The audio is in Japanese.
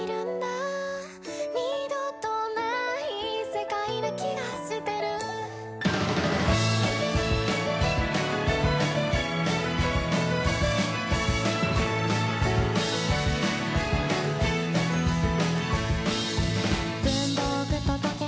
「二度とない世界な気がしてる」「文房具と時計